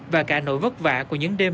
và cả nỗi vất vả của những đêm